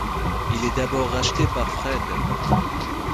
Il est d’abord racheté par Fred.